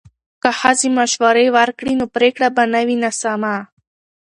که ښځې مشورې ورکړي نو پریکړه به نه وي ناسمه.